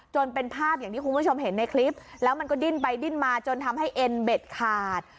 จนเป็นภาพอย่างที่คุณผู้ชมเห็นในคลิปแล้วมันก็ดิ้นไปดิ้นมาจนทำให้เอ็นเบ็ดขาด